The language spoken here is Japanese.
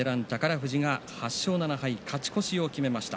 富士が８勝７敗勝ち越しを決めました。